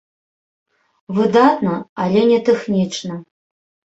Выдатна, але не тэхнічна.